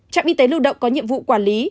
trạm y tế lưu động có nhiệm vụ quản lý